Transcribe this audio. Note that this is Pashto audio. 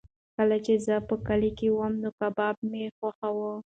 کله چې زه په کلي کې وم نو کباب مې خوښاوه.